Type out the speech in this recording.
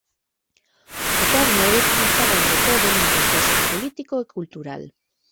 O termo é utilizado ante todo nun contexto político e cultural.